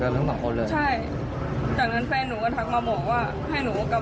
มันเจ็บมากเลยพี่มันมึนไปหมดแบบ